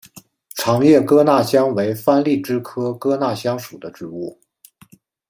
长叶哥纳香为番荔枝科哥纳香属的植物。